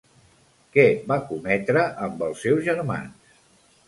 Què va cometre amb els seus germans?